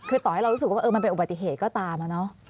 คือต่อให้เรารู้สึกว่ามันเป็นอุบัติเหตุก็ตามอะเนาะ